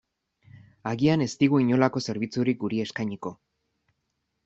Agian, ez digu inolako zerbitzurik guri eskainiko.